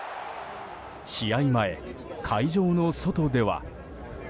試合前、会場の外では。